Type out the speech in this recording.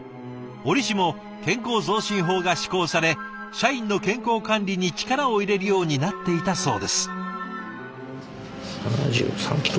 折しも健康増進法が施行され社員の健康管理に力を入れるようになっていたそうです。